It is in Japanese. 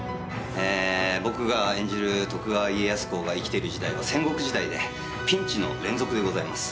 ボクが演じる徳川家康公が生きている時代は戦国時代でピンチの連続でございます。